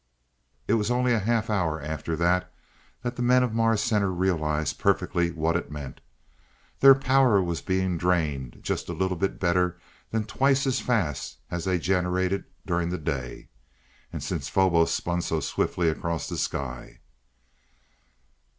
It was only a half hour after that that the men at Mars Center realized perfectly what it meant. Their power was being drained just a little bit better than twice as fast as they generated during the day and since Phobos spun so swiftly across the sky.